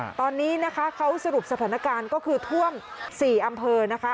ตอนนี้นะคะเขาสรุปสถานการณ์ก็คือท่วมสี่อำเภอนะคะ